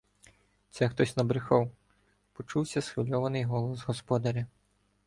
Це хтось набрехав, — почувся схвильований голос господаря.